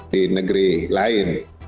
di negeri lain